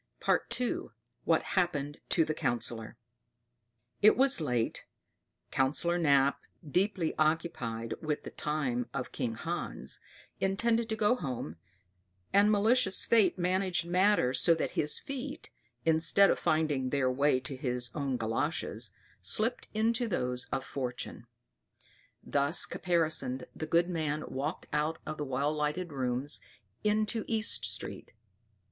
II. What Happened to the Councillor It was late; Councillor Knap, deeply occupied with the times of King Hans, intended to go home, and malicious Fate managed matters so that his feet, instead of finding their way to his own galoshes, slipped into those of Fortune. Thus caparisoned the good man walked out of the well lighted rooms into East Street.